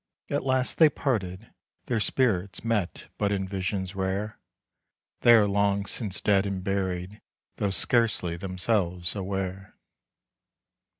At last they parted; their spirits Met but in visions rare. They are long since dead and buried, Though scarcely themselves aware.